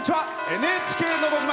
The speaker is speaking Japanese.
「ＮＨＫのど自慢」。